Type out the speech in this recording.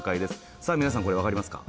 さあ皆さんこれわかりますか？